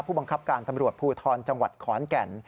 ผู้บังคับการตำรวจภูทรจังหวัดขอนแก่น